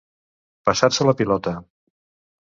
Passar-se la pilota.